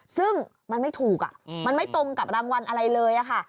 ซึ่งมันไม่ถูกมันไม่ตรงกับรางวัลอะไรเลยค่ะ